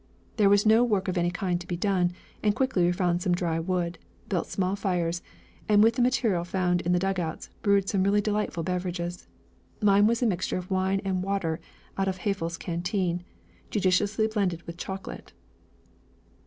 There was no work of any kind to be done, and quickly we found some dry wood, built small fires, and with the material found in dug outs brewed some really delightful beverages. Mine was a mixture of wine and water out of Haeffle's canteen, judiciously blended with chocolate.